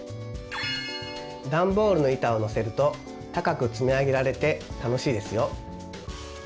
ダンボールの板をのせると高く積み上げられて楽しいですよ。